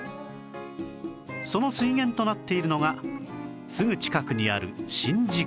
その水源となっているのがすぐ近くにある宍道湖